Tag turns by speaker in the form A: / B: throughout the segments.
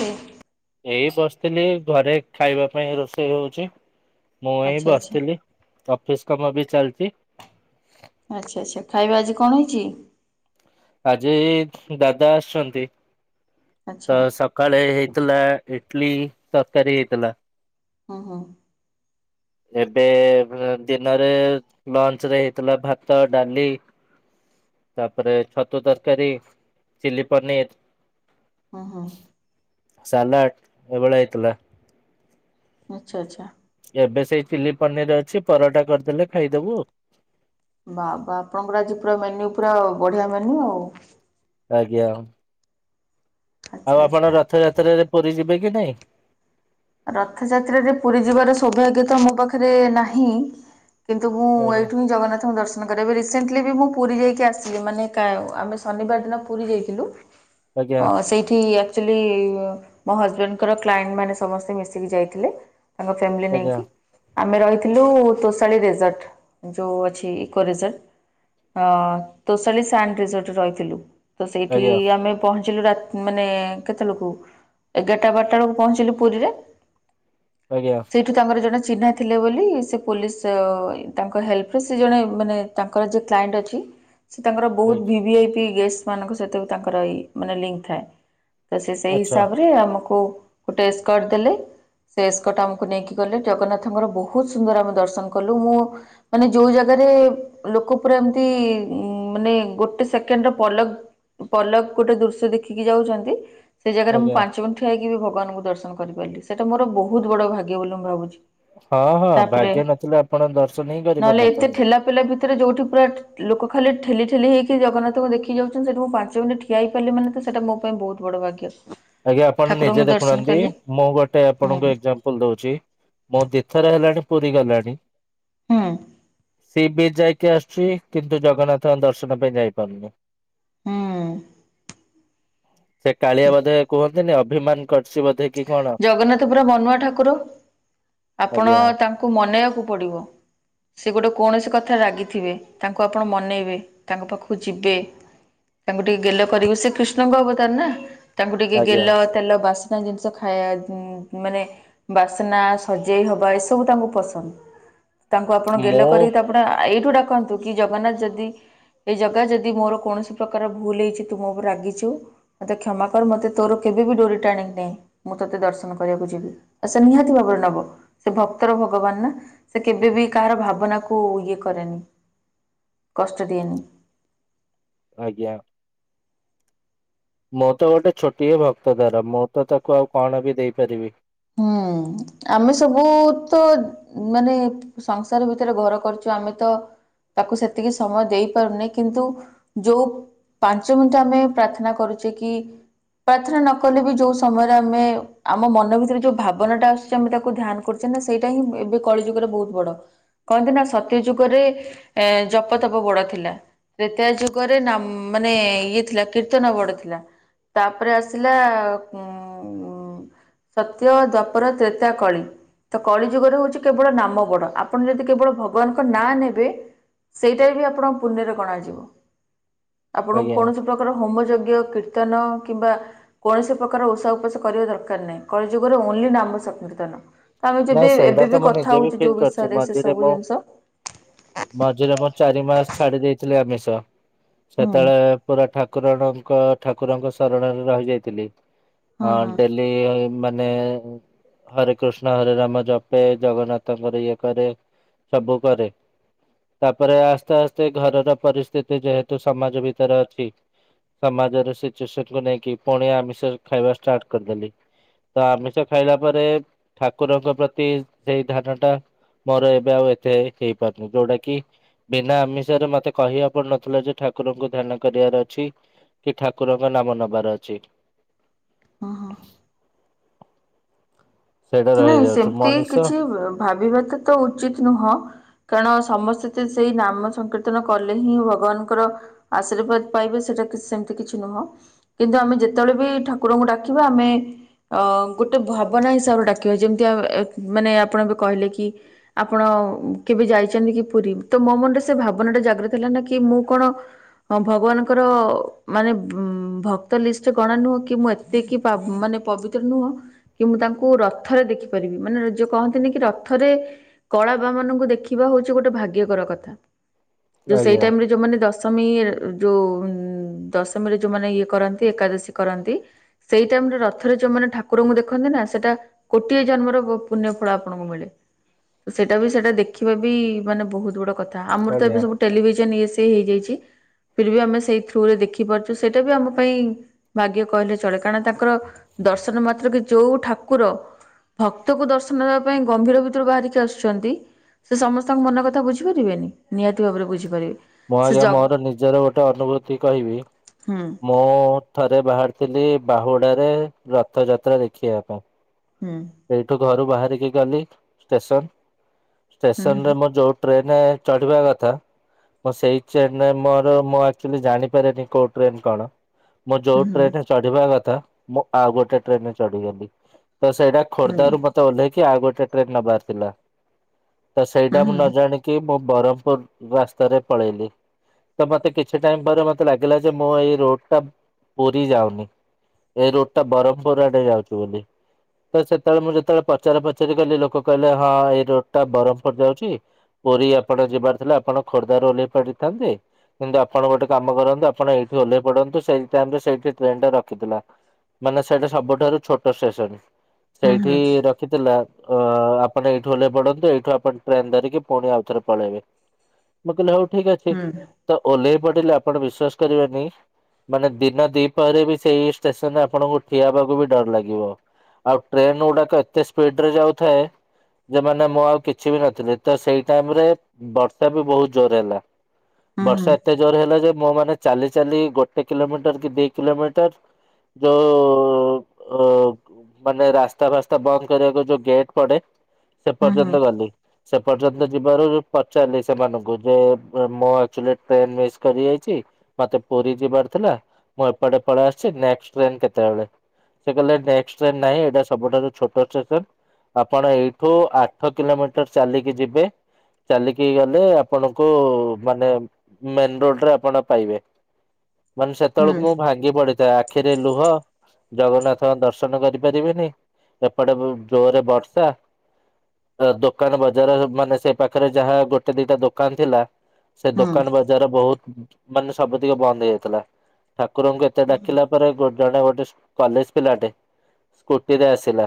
A: ହୁଁ
B: ଏଇ ବସିଥିଲି ଘରେ ଖାଇବା ପାଇଁ ରୋଷେଇ ହୋଉଛି ମୁଁ ଏଇ
A: ଆଚ୍ଛା
B: ବସିଥିଲି। ଅଫିସ କାମ ବି ଚାଲିଛି।
A: ଆଚ୍ଛା ଆଚ୍ଛା ଖାଇବା ଆଜି କଣ ହେଇଛି?
B: ଆଜି ଦାଦା ଆସିଛନ୍ତି। ତ
A: ଆଚ୍ଛା
B: ସକାଳେ ହେଇଥିଲା ଇଟଲି ତରକାରୀ ହେଇଥିଲା।
A: ହଁ ହଁ
B: ଏବେ ଏ ଦିନରେ ଲଞ୍ଚ ରେ ହେଇଥିଲା ଭାତ ଡାଲି ତାପରେ ଛତୁ ତରକାରୀ ଚିଲି ପନିର୍।
A: ହଁ ହଁ
B: ସଲାଟ ଏଭଳିଆ ଥିଲା।
A: ଆଚ୍ଛା ଆଚ୍ଛା
B: ଏବେ ସେଇ ଚିଲି ପନିର ଅଛି ପରଟା କରିଦେଲେ ଖାଇଦବୁ ଆଉ।
A: ବା ବା ଆପଣଙ୍କର ଆଜି ପୁରା ମେନ୍ୟୁ ପୁରା ବଢିଆ ମେନ୍ୟୁ ଆଉ।
B: ଆଜ୍ଞା
A: ଆଚ୍ଛା
B: ଆଉ ଆପଣ
A: ଆଚ୍ଛା
B: ରଥଯାତ୍ରାରେ ପୁରୀ ଯିବେ କି ନାଇଁ?
A: ରଥଯାତ୍ରାରେ ପୁରୀ ଯିବାର ସୌଭାଗ୍ୟ ତ ମୋ ପାଖରେ ନାହିଁ। କିନ୍ତୁ ମୁଁ
B: ଆଜ୍ଞା
A: ଏଇଠୁ ହିଁ ଜନ୍ନାଥଙ୍କୁ ଦର୍ଶନ ରିସେଣ୍ଟଲି ମୁଁ ପୁରୀ ଯାଇକି ଆସଚି। ମାନେ ଆମେ ଶନିବାର ଦିନ ପୁରୀ ଯାଇଥିଲୁ
B: ଆଜ୍ଞା
A: ଅ ସେଇଠି ଆକ୍ଆଲି ମୋ ହଜବେଣ୍ଡଙ୍କର କ୍ଲାଇଣ୍ଡ ମାନେ ସ ସମସ୍ତେ ମିଶିକି ଯାଇଥିଲେ ତାଙ୍କ ଫ୍ୟାମିଲି
B: ଆଜ୍ଞା
A: ନେଇକି। ଆମେ ରହିଥିଲୁ ତୋଷାଳୀ ରେଜର୍ଟ ଯୋଉ ଅଛି ଇକୋ ରେଜର୍ଟ। ହଁ ତୋଷାଲି ସାଣ୍ଡ ରେ ଯୋଉଠି ରହିଥିଲୁ। ତ ସେଇଠି
B: ଆଜ୍ଞା
A: ଆମେ ପହଞ୍ଚିଲୁ ରାତ୍ ମାନେ କେତେବେଳକୁ ଏଗାରଟା ବାରଟା ବେଳକୁ ପହଞ୍ଚିଲୁ ପୁରୀ ରେ।
B: ଆଜ୍ଞା
A: ସେଇଠୁ ତାଙ୍କର ଜଣେ ଚିହ୍ନା ଥିଲେ ବୋଲି ସେ ପୋଲିସ ତାଙ୍କ ହେଲ୍ପରେ ସେ ଜଣେ ମାନେ ତାଙ୍କର ଯୋଉ କ୍ଲାଇଣ୍ଟ ଅଛି ଛି ସେ ତାଙ୍କର ବହୁତ
B: ଆଜ୍ଞା
A: ଭିଭିି ଆଇ ପି ଗେଷ୍ଟ ମାନଙ୍କ ସହିତ ବି ତାଙ୍କର ଏଇ ମାନେ ଲିଙ୍କ ଥାଏ। ତ ସେ ସେଇ
B: ଆଚ୍ଛା
A: ହିସାବରେ ଆମକୁ ଗୋଟେ ସ୍କର୍ଟ ଦେଲେ। ସେ ଏସ୍କୋଟ ଆମକୁ ନେଇକି ଗଲେ ଜଗନ୍ନାଥଙ୍କର ବହୁତ ସୁନ୍ଦର ଆମେ ଦର୍ଶନ କଲୁ। ମୁଁ ମାନେ ଯୋଉ ଜାଗାରେ ଲୋକ ପୁରା ଏମିତି ମାନେ ଗୋଟେ ସେକେଣ୍ଡ ର ପଲକ ପଲ୍ଲକ୍ ଗୋଟେ ଦୃଶ୍ୟ ଦେଖିକି ଯାଉଛନ୍ତି। ସେଇ ଜାଗାରେ ମୁଁ
B: ଆଜ୍ଞା
A: ପାଞ୍ଚ ମିନିଟ୍ ଠିଆ ହେଇକି ବି ଭଗବାନଙ୍କୁ ଦର୍ଶନ କରିପାରିଲି ସେଇଟା ମୋର ବୋହୁତ ବଡ ଭାଗ୍ୟ ବୋଲି ମୁଁ ଭାବୁଛି।
B: ହଁ ହଁ
A: ତାପରେ
B: ଭାଗ୍ୟ ନଥିଲେ ଆପଣ ଦର୍ଶନ ହିଁ କରିପାରି ନଥାନ୍ତେ।
A: ଏଥିରେ ଯୋଉଠି ପୁରା ଠ୍ ଲୋକ ଖାଲି ଠେଲି ଠେଲି ହେଇକି ଜଗନ୍ନାଥଙ୍କୁ ଦେଖି ଯାଉଛନ୍ତି ସେଠି ମୁଁ ପାଞ୍ଚ ମିନିଟ ଠିଆଇପାରିଲି ମାନେ ତ ସେଟା ମୋ ପାଇଁ ବହୁତ ବଡ଼ ଭାଗ୍ୟ।
B: ଆଜ୍ଞା ଆପଣ
A: ଠାକୁରଙ୍କୁ
B: ନିଜେ
A: ଦର୍ଶନ
B: ଦେଖୁନାହାନ୍ତି
A: କଲି
B: ମୁଁ ଗୋଟେ
A: ହୁଁ
B: ଆପଣଙ୍କ ଏକ୍ସାମ୍ପ ପୁଲ ଦଉଛି ମୋ ଦି ଥର ହେଲାଣି ପୁରୀ ଗଲାଣି।
A: ହୁଁ
B: ସି ବିଚ୍ ଯାଇକି ଆସୁଛି। କିନ୍ତୁ ଜଗନ୍ନାଥଙ୍କ ଦର୍ଶନ ପାଇଁ ଯାଇପାରୁନି।
A: ହୁଁ।
B: ସେ କାଳିଆ ବୋଧେ କୁହନ୍ତିନି ଅଭିମାନ କରଛି ବୋଧେ କି କଣ
A: ଜଗନ୍ନାଥ ପୁରା ମନୁଆ ଠାକୁର ଆପଣ
B: ଆଜ୍ଞା
A: ତାଙ୍କୁ ମନେଇବାକୁ ପଡିବ। ସେ ଗୋଟେ କୌଣସି କଥାରେ ରାଗିଥିବେ ତାଙ୍କୁ ଆପଣ ମନେଇବେ ତାଙ୍କ ପାଖକୁ ଯିବେ। ତାଙ୍କୁ ଟିକେ ଗେଲ କରିବେ ସେ କୃଷ୍ଣଙ୍କ ଅବତାର ନା ତାଙ୍କୁ ଟିକେ
B: ଆଜ୍ଞା।
A: ଗେଲ ତେଲ ବାସ୍ନା ଜିନିଷ ଖା ଖାଇବା ଉଁ ମାନେ ବାସ୍ନା ସଜେଇ ହବା ଏସବୁ ତାଙ୍କୁ ପସନ୍ଦ। ତାଙ୍କୁ ଆପଣ ଗେଲ
B: ମୁଁ
A: କରିକି ତା ଆପଣ ଏଇଠୁ ଡାକନ୍ତୁ କି ଜଗନ୍ନାଥ ଯଦି ଏଇ ଜଗା ଯଦି ମୋର କୌଣସି ପ୍ରକାରର ଭୁଲ ହେଇଛି ତୁ ମୋ ଉପରେ ରାଗିଛୁ। ମୋତେ କ୍ଷମା କର ମୋତେ ତୋର କେବେ ବି ଡୋରି ଟାଣିକି ନେ। ମୁଁ ତତେ ଦର୍ଶନ କରିବାକୁ ଯିବି ଆଉ ସେ ନିହାତି ଭାବରେ ନବ ସେ ଭକ୍ତର ଭଗବାନ ନା। ସେ କେବେ ବିି କାହାର ଭାବନା କୁ ଇଏ କରେନି କଷ୍ଟ ଦିଏନି।
B: ଆଜ୍ଞା। ମୁଁ ତ ଗୋଟେ ଛୋଟିଏ ଭକ୍ତ ତାର ମୁଁ ତ ତାକୁ ଆଉ କଣ ବି ଦେଇପାରିବି।
A: ହୁଁ ଆମେ ସବୁ ତ ମାନେ ସଂସାର ଭିତରେ ଘର କରିଛୁ ଆମେ ତ ତାକୁ ସେତିକି ସମୟ ଦେଇ ପାରୁନି କିନ୍ତୁ ଯୋଉ ପାଞ୍ଚ ମିଣ୍ଟି ଆମେ ପ୍ରାର୍ଥନା କରୁଛେ କି ପ୍ରାର୍ଥନା ନ କଲେ ବି ଯୋଉ ସମୟରେ ଆମେ ଆମ ମନ ଭିତରେ ଯୋଉ ଭାବନା ଟା ଆସୁଛି ଆମେ ତାକୁ ଧ୍ୟାନ କରୁଛେ ନା ସେଇଟା ହିଁ ଏବେ କଳି ଯୁଗରେ ବହୁତ ବଡ। କହନ୍ତି ନା ସତ୍ୟ ଯୁଗରେ ଏ ଜପ ତପ ବଡ ଥିଲା। ତ୍ରେତୀୟ ଯୁଗରେ ନ ମାନେ ଇଏ ଥିଲା କୀର୍ତ୍ତନ ବଡ ଥିଲା। ତାପରେ ଆସିଲା ଉଁ ସତ୍ୟ ଦ୍ୱାପର, ତ୍ରେତୟା, କଳି। ତ କଳି ଯୁଗରେ ହଉଛି କେବଳ ନାମ ବଡ ଆପଣ ଯଦି କେବଳ ଭଗବାନଙ୍କ ନାଁ ନେବେ। ସେଇଟା ବି ଆପଣଙ୍କ ପୁଣ୍ୟରେ ଗଣାଯିବ ଆପଣଙ୍କୁ
B: ଆଜ୍ଞା।
A: କୌଣସି ପ୍ରକାରର ହୋମ ଯଜ୍ଞ, କୀର୍ତ୍ତନ କିମ୍ବା କୌଣସି ପ୍ରକାର ଓଷା ଉପାସ କରିବା ଦରକାର ନାହିଁ କଳି ଯୁଗରେ ଓନ୍ଲି ନାମ ସଂକୀର୍ତନ। ଆମେ
B: ନାଇଁ
A: ଯେବେ
B: ସେଇଟା
A: ଏବେ
B: ତ
A: ବି
B: ମୁଁ
A: କଥା
B: ନିଜେ
A: ହଉଚେ
B: ଫିଲ୍
A: ଯୋଉ
B: କରିଛି
A: ବିଷୟରେ ସେ
B: ମଝିରେ
A: ସବୁ
B: ମୁଁ
A: ଜିନିଷ।
B: ମଝିରେ ମୋ ଚାରି ମାସ ଛାଡି ଦେଇଥିଲି ଆମିଷ।
A: ହୁଁ
B: ସେତେବେଳେ ପୁରା ଠାକୁରଣଙ୍କ ଠାକୁରଙ୍କ ଶରଣରେ ରହିଯାଇଥିଲି। ହଁ ଡେଲି ମାନେ ହରେ କୃଷ୍ ଷ୍ଣ ହରେ ରାମ ଜପେ ଜଗନ୍ନାଥଙ୍କର ଇଏ କରେ ସବୁ କରେ। ତାପରେ ଆସ୍ତେ ଆସ୍ତେ ଘରର ପରିସ୍ଥିତି ଯେହେତୁ ସମାଜ ଭିତରେ ଅଛି। ସମାଜରେ ସିଚୁଏସନକୁ ନେଇକି ପୁଣି ଆମିଷ ଖାଇବା ଷ୍ଟାର୍ଟ କରିଦେଲି। ତ ଆମିଷ ଖାଇଲା ପରେ। ଠାକୁରଙ୍କ ପ୍ରତି ସେଇ ଧ୍ୟାନ ଟା ମୋର ଏବେ ଆଉ ଏତେ ହେଇପାରୁନି ଯୋଉଟା କି ବିନା ଆମିଷରେ ମତେ କହିବାକୁ ପଡୁନଥିଲା ଯେ ଠାକୁରଙ୍କୁ ଧ୍ୟାନ କରିବାର ଅଛି। କି ଠାକୁରଙ୍କ ନାମ ନବାର ଅଛି।
A: ହଁ ହଁ।
B: ସେଇଟା
A: ନାଇଁ
B: ରହିଯାଉଛି
A: ସେମିତି
B: ମଣିଷ
A: କିଛି ଭାବିବାଟା ତ ଉଚିତ୍ ନୁହଁ। କାରଣ ସମସ୍ତେତ ସେଇ ନାମ ସଂକୀର୍ତ୍ତନ କଲେ ହିଁ ଭଗବାନ୍ ଙ୍କର ଆଶୀର୍ବାଦ୍ ପାଇବେ, ସେଟା ତ ସେମିତି କିଛି ନୁହଁ। କିନ୍ତୁ ଆମେ ଯେତେବେଳେବି ଠାକୁରଙ୍କୁ ଡାକିବା ଆମେ ଅ ଗୋଟେ ଭାବନା ହିସାବରେ ଡାକ୍ କିବା ଯେମିତି ଏ ମାନେ ଆପଣ ଏବେ କହିଲେ କି ଆପଣ କେବେ ଯାଇଚନ୍ତି କି ପୁରୀ? ତ ମୋ ମନରେ ସେ ଭାବନାଟା ଜାଗ୍ରତ ହେଲାନା କି ମୁଁ କଣ ହଁ ଭଗବାନଙ୍କର ମାନେ ଭୁ ଭକ୍ତ ଲିଷ୍ଟ ଗଣା ନୁହଁ କି ମୁଁ ଏତ୍ ଏତିକି ପା ମାନେ ପବିତ୍ର ନୁହଁ କି ମୁଁ ତାଙ୍କୁ ର ରଥରେ ଦେଖିପାରିବି ମାନେ ଯୋଉ କହନ୍ତିନି କି ରଥରେ କଳାବାମନଙ୍କୁ ଦେଖିବା ହଉଚି ଗୋଟେ ଭାଗ୍ୟକର କଥା। ଯୋଉ ସେଇ
B: ଆଜ୍ଞା
A: ଟାଇମିରେ ଯୋଉମାନେ ଦଶମୀ ଯୋଉ ଦଶମୀରେ ଯୋଉମାନେ ଇଏ କରନ୍ତି, ଏକାଦଶୀ କରନ୍ତି। ସେଇ ଟାଇମିରେ ରଥରେ ଯୋଉମାନେ ଠାକୁରଙ୍କୁ ଦେଖନ୍ତି ନା, ସେଟା କୋଟିଏ ଜନ୍ମର ବହୁ ପୁଣ୍ୟ ଫଳ ଆପଣଙ୍କୁ ମିଳେ। ସେଟା ବି ସେଟା ଦେଖିବା ବି ମାନେ ବହୁତ ବଡ କଥା। ଆମର ତ
B: ଆଜ୍ଞା।
A: ଏବେ ସବୁ ଟେଲିଭିଜନ୍ ଇଏ ସିଏ ହେଇଯାଇଚି ଫିର୍ ବି ଆମେ ସେଇ ଥ୍ରୁରେ ଦେଖିପାରୁଛୁ। ସେଇଟା ବି ଆମ ପାଇଁ ଭାଗ୍ୟ କହିଲେ ଚଳେ। କାରଣ ତାଙ୍କର ଦର୍ଶନ ମାତ୍ରକେ ଯୋଉ ଠାକୁର ଭକ୍ତକୁ ଦର୍ଶନ ଦେବା ପାଇଁ ଗମ୍ଭୀର ଭିତରୁ ବାହାରିକି ଆସୁଚନ୍ତି। ସିଏ ସମସ୍ତଙ୍କ ମନ କଥା ବୁଝିପାରିବେନି। ନିହାତି ଭାବରେ ବୁଝିପାରିବେ,
B: ମୁଁ
A: ସେ
B: ଆଜ୍ଞା
A: ଜଗ୍
B: ମୋର ନିଜର ଗୋଟେ ଅନୁଭୂତି କହିବି।
A: ହୁଁ।
B: ମୁଁ ଥରେ ବାହାରି ଥିଲି ବାହୁଡାରେ ରଥଯାତ୍ରା ଦେଖିଆ ପାଇଁ।
A: ହୁଁ।
B: ଏଇଠୁ ଘରୁ ବାହାରିକି ଗଲି ଷ୍ଟେସନ୍, ଷ୍ଟେସନ୍
A: ହୁଁ
B: ରେ ମୁଁ ଯୋଉ ଟ୍ରେନ୍ ରେ ଚଢ଼ିବା କଥା ମୁଁ ସେଇ ଚେନ୍ ରେ ମୋର ମୁଁ ଆକ୍ଚୁଆଲି ଜାଣିପାରେନି କୋଉ ଟ୍ରେନ୍ କଣ। ମୁଁ
A: ହୁଁ
B: ଯୋଉ ଟ୍ରେନ୍ ରେ ଚଢିବା କଥା, ମୁଁ ଆଉ ଗୋଟେ ଟ୍ରେନରେ ଚଢିଗଲି। ତ ସେଇଟା ଖୋର୍ଦ୍ଧାରୁ ମତେ ଓହ୍ଲେଇକି ଆଉ ଗୋଟେ ଟ୍ରେନ୍ ନବାର ଥିଲା। ତ
A: ହୁଁ ହୁଁ
B: ସେଇଟା ମୁଁ
A: ହୁଁ
B: ନଜାଣିକ୍ କି ମୁଁ ବରହ୍ମପୁରୂ ରାସ୍ତାରେ ପଳେଇଲି। ତ ମତେ କିଛି ଟାଇମ୍ ପରେ ମତେ ଲାଗିଲା ଯେ ମୁଁ ଏଇ ରୋଡ୍ ଟା ପୁରୀ ଯାଉନି। ଏ ରୋଡଟା ବର୍ହ୍ମପୁର୍ ଆଡେ ଯାଉଚି ବୋଲି। ତ ସେତେବେଳେ ମୁଁ ଯେତେବେଳେ ପଚରା ପଚରି କଲି, ଲୋକ କହିଲେ ହଁ ଏଇ ରୋଡ୍ଟା ବରହ୍ମପୁର୍ ଯାଉଚି। ପୁରୀ ଆପଣ ଯିବାର ଥିଲା, ଆପଣ ଖୋର୍ଦ୍ଧାରେ ଓହ୍ଲେଇ ପାଡିଥାନ୍ତେ। କିନ୍ତୁ ଆପଣ ଗୋଟେ କାମ କରନ୍ତୁ, ଆପଣ ଏଇଠି ଓହ୍ଲେଇ ପଡନ୍ତୁ। ସେଇ ଟାଇମିରେ ସେଇଠି ଟ୍ରେନ୍ ଟା ରଖିଥିଲା। ମାନେ ସେଇଟା ସବୁଠାରୁ ଛୋଟ ଷ୍ଟେସନ୍।
A: ହୁଁ ହୁଁ ହୁଁ
B: ସେଇଠି ରଖ୍ ରଖିଥିଲା ଅ ଆପଣ ଏଇଠୁ ଓହ୍ଲେଇ ପଡନ୍ତୁ ଏଇଠୁ ଆପଣ ଟ୍ରେନ୍ ଧରିକି ପୁଣି ଆଉଥରେ ପଳେଇବେ।
A: ହ [inaudible]
B: ମୁଁ କହିଲି ହଉ ଠିକ୍ ଅଛି। ତ ଓହ୍ଲେଇ ପଡିଲେ ଆପଣ ବିଶ୍ଵାସ କରିବେନି ମାନେ ଦିନ ଦିପହରେବି ସେଇ ଷ୍ଟେସନ୍ ରେ ଆପଣଙ୍କୁ ଠିଆ ହବାକୁ ବି ଡର ଲାଗିବ। ଆଉ ଟ୍ରେନ୍ ଗୁଡାକ ଏତେ ସ୍ପିଡ୍ରେ ଯାଉଥାଏ। ଯେ ମାନେ ମୁଁ ଆଉ କିଛି ବି ନଥିଲି, ତ ସେଇ ଟାଇମି ରେ ବର୍ଷା ବି ବହୁତ୍ ଜୋରରେ ହେଲା।
A: ହୁଁ ହୁଁ ହୁଁ
B: ବର୍ଷା ଏତେ ଜୋର୍ରେ ହେଲା ଯେ, ମୁଁ ମାନେ ଚାଲିଚ୍ ଚାଲି ଗୋଟେ କିଲୋମିଟର କି ଦି କିଲୋମିଟର ଯୋଉ ଓ ମାନେ ରାସ୍ତା ଫାସ୍ତା ବନ୍ଦ୍ କରିଆକୁ ଯୋଉ ଗେଟ୍ ପଡେ ସେ
A: ହୁଁ ହୁଁ
B: ପର୍ଯ୍ୟନ୍ତ ଗଲି। ସେ ପର୍ଯ୍ୟନ୍ତ ଯିବାରୁ ପଚାରିଲି ସେମାନଙ୍କୁ ଯେ ମୁଁ ଆକ୍ଚୁଆଲି ଟ୍ରେନ୍ ମିସ୍ କରି ଯାଇଚି। ମତେ ପୁରୀ ଯିବାର ଥିଲା। ମୁଁ ଏପଟେ ପଳେଇ ଆସିଚି ନେଷ୍ଟ ଟ୍ରେନ୍ କେତେବେଳେ? ସେ କହିଲେ ନେଷ୍ଟ ଟ୍ରେନ ନାହିଁ। ଏଇଟା ସବୁଠାରୁ ଛୋଟ ଷ୍ଟେସନ। ଆପଣ ଏଇଠୁ ଆଠ କିଲୋମିଟର ଚାଲିକି ଯିବେ। ଚାଲିକି ଗଲେ ଆପଣଙ୍କୁ ମାନେ, ମେନ ରୋଡରେ ଆପଣ ପାଇବେ। ମାନେ ସେତେବେଳକୁ ମୁଁ ଭାଙ୍ଗି ପଡିଥାଏ‌। ଆଖିରେ ଲୁହ, ଜଗନ୍ନାଥଙ୍କ ଦର୍ଶ ର୍ଶନ କରିପାରିବିନି। ଏପଟେ ବହୁତ ଜୋରରେ ବର୍ଷା। ତ ଦୋକାନ ବଜାର ମାନେ ସେ ପାଖରେ ଯାହା ଗୋଟେ ଦିଟା ଦୋକାନ ଥିଲା। ସେ ଦୋକାନ ବଜାର ବହୁତ, ମାନେ ସବୁତିକ ବନ୍ଦ ହେଇଯାଇଥିଲା। ଠାକୁରଙ୍କୁ ଏତେ ଡାକିଲା ପରେ ଜଣେ ଗୋଟେ କଲେଜ ପିଲାଟେ ସ୍କୁଟିରେ ଆସିଲା,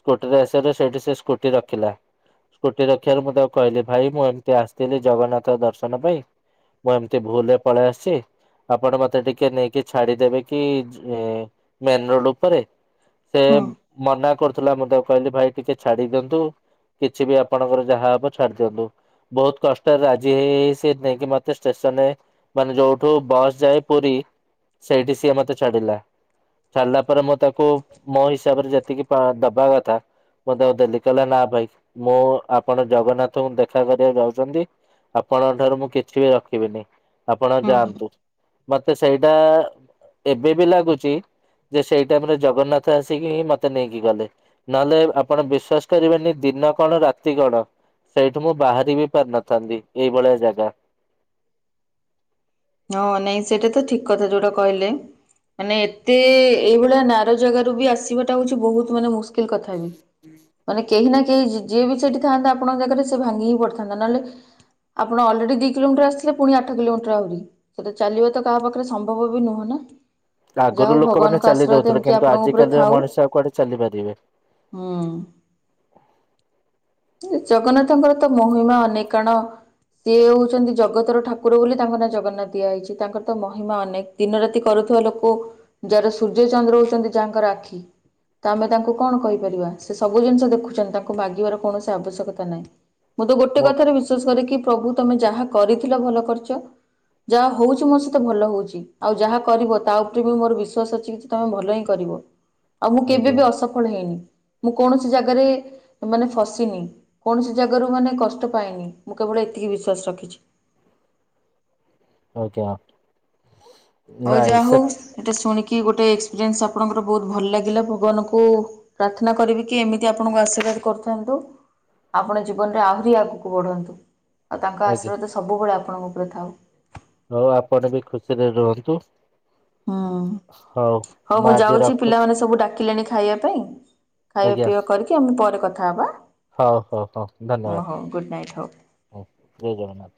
B: ସ୍କୁଟିରେ ଆସିଲାରୁ ସେଇଠି ସେ ସ୍କୁଟି ରଖିଲା। ସ୍କୁଟି ରଖିବାରୁ ମୁଁ ତାକୁ କହିଲି ଭାଇ ମୁଁ ଏମିତି ଆସିଥିଲି ଜଗନ୍ନାଥ ଦର୍ଶନ ପାଇଁ ମୁଁ ଏମିତି ଭୁଲରେ ପଳେଇ ଆସିଛି। ଆପଣ ମତେ ଟିକେ ନେଇକି ଛାଡିଦେବେ କି ମେନ ରୋଡ ଉପରେ? ସେ
A: ହୁଁ ହୁଁ
B: ମନା କରୁଥିଲା ମଧ୍ୟ କହିଲି ଭାଇ ଟିକେ ଛାଡି ଦିଅନ୍ତୁ। କିଛି ବି ଆପଣଙ୍କର ଯାହା ହବ ଛାଡି ଦିଅନ୍ତୁ। ବହୁତ କଷ୍ଟରେ ରାଜି ହେଇ ହେଇ ସେ ନେଇକି ମତେ ଷ୍ଟେସନରେ ମାନେ ଯୋଉଠୁ ବସ୍ ଯାଏ ପୁରୀ ସେଇଠି ସିଏ ମତେ ଛାଡିଲା। ସାରିଲା ପରେ ମୁଁ ତାକୁ ମୋ ହିସାବରେ ଯେତିକି ପା ଦବା କଥା ମୁଁ ତାକୁ ଦେଲି କହିଲା ନା ଭାଇ ମୁଁ ଆପଣ ଜଗନ୍ନାଥଙ୍କୁ ଦେଖା କରିବାକୁ ଯାଉଛନ୍ତି। ଆପଣଙ୍କ ଠାରୁ ମୁଁ କିଛି ବି ରଖିବିନି ଆପଣ
A: ହୁଁ
B: ଯାଆନ୍ତୁ। ମତେ ସେଇଟା ଏବେ ବି ଲାଗୁଛି ଯେ ସେଇ ଟାଇମରେ ଜଗନ୍ନାଥ ଆସିକି ମତେ ନେଇକି ଗଲେ। ନହେଲେ ଆପଣ ବିଶ୍ଵାସ କରିବେନି ଦିନ କଣ ରାତି କଣ। ସେଇଠୁ ମୁଁ ବାହାରି ବି ପାରିନଥାନ୍ତି। ଏଇଭଳିଆ ଜାଗା
A: ହଁ ନାଇଁ ସେଇଟା ତ ଠିକ କଥା ଯୋଉଟା କହିଲେ। ମାନେ ଏତେ ଏଇଭଳିଆ ନାରୋ ଜାଗାରୁ ବି ଆସିବାଟା ହଉଛି ବହୁତ ମାନେ ମୁ କଥା ହେବି ମାନେ କେହି ନା କେହି ଯିଏ ବି ସେଠି ଥାନ୍ତା ଆପଣଙ୍କ ଜାଗାରେ ସେ ଭାଙ୍ଗି ପଡ଼ିଥାନ୍ତା, ନହେଲେ ଆପଣ ଅଲରେଡ଼ି ଦୁଇ କିଲୋମିଟର ଆସିଥିଲେ ପୁଣି ଆଠ କିଲୋମିଟର ଆହୁରି ସେଟା ଚାଲିବା ତ କାହା ପାଖରେ ସମ୍ଭବ ବି ନୁହଁ ନା। ଯାହା
B: ଆଗରୁ
A: ହଉ
B: ଲୋକମାନେ
A: ଭଗବାନଙ୍କ
B: ଚାଲି
A: ଆଶୀର୍ବାଦ
B: ଦଉଥିଲେ
A: ଏମିତି
B: କିନ୍ତୁ
A: ଆପଣଙ୍କ ଉପରେ
B: ଆଜିକାଲିର
A: ଥାଉ
B: ମଣିଷ ଆଉ କୁଆଡେ ଚାଲିପାରିବେ।
A: ହୁଁ। ଜଗନ୍ନାଥଙ୍କର ତ ମହିମା ଅନେକ କାଣ ସିଏ ହଉଛନ୍ତି ଜଗତର ଠାକୁର ବୋଲି ତାଙ୍କ ନାଁ ଜଗନ୍ନାଥ। ଦିଆ ହେଇଛି ତାଙ୍କର ତ ମହିମା ଅନେକ ଦିନ ରାତି କରୁଥିବା ଲୋକ ଯାର ସୂର୍ଯ୍ୟ ଚନ୍ଦ୍ର ହଉଛନ୍ତି ଯାହାଙ୍କର ଆଖି। ତ ଆମେ ତାଙ୍କୁ କଣ କହିପାରିବା ସେ ସବୁ ଜିନିଷ ଦେଖୁଛନ୍ତି ତାଙ୍କୁ ମାଗିବାର କୌଣସି ଆବଶ୍ୟକତା ନାହିଁ। ମୁଁ ତ ଗୋଟେ କଥାରେ ବିଶ୍ୱାସ କରେ କି ପ୍ରଭୁ ତମେ ଯାହା କରିଥିଲ ଭଲ କରିଛ ଯାହା ହଉଛି ମୋ ସହିତ ଭଲ ହଉଛି ଆଉ ଯାହା କରିବ ତା ଉପରେ ବି ମୋର ବିଶ୍ଵାସ ଅଛି କି ତମେ ଭଲ ହିଁ କରିବ। ଆଉ ମୁଁ କେବେ
B: ଆଜ୍ଞା
A: ବି ଅସଫଳ ହେଇନି। ମୁଁ କୌଣସି ଜାଗାରେ ମାନେ ଫସିିନି କୌଣସି ଜାଗାରୁ ମାନେ କଷ୍ଟ ପାଇନି ମୁଁ କେବଳ ଏତିକି ବିଶ୍ୱାସ ରଖିଛି।
B: ଆଜ୍ଞା।
A: ହଉ
B: ନାଇଁ
A: ଯାହା
B: ସେ
A: ହଉ ସେଇଟା ଶୁଣିକି ଗୋଟେ ଏକ୍ସପିରିଏନ୍ସ ଆପଣଙ୍କର ବହୁତ ଭଲ ଲାଗିଲା ଭଗବାନଙ୍କୁ ପ୍ରାର୍ଥନା କରିବି କି ଏମିତି ଆପଣଙ୍କୁ ଆଶୀର୍ବାଦ କରୁଥାନ୍ତୁ। ଆପଣ ଜୀବନରେ ଆହୁରି ଆଗକୁ ବଢନ୍ତୁ ଆଉ ତାଙ୍କ
B: ଆଜ୍ଞା
A: ଆଶୀର୍ବାଦ ସବୁବେଳେ ଆପଣଙ୍କ ଉପରେ ଥାଉ।
B: ହଉ ଆପଣ ବି ଖୁସିରେ ରୁହନ୍ତୁ। ହଁ।
A: ହଁ ମୁଁ ଯାଉଚି ପିଲାମାନେ ସବୁ ଡାକିଲେଣି ଖାଇବା ପାଇଁ ଖାଇବା
B: ଆଜ୍ଞା।
A: ପିଇବା କରିକି ଆମେ ପରେ କଥା ହବା।
B: ହଉ, ହଉ, ହଉ ଧନ୍ୟବାଦ
A: ହଁ ହଉ ଗୁଡ୍ ନାଇଟ୍ ହଉ।
B: ହ ଜୟ ଜଗନ୍ନାଥ।